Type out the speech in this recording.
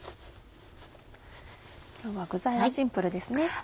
今日は具材はシンプルですね。